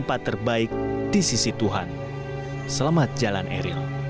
kita berharap bisa mencapai kemahasiswaan yang baik